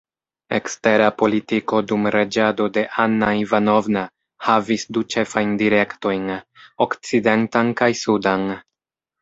Ekstera politiko dum reĝado de Anna Ivanovna havis du ĉefajn direktojn: okcidentan kaj sudan.